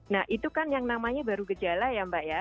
nah itu kan yang namanya baru gejala ya mbak ya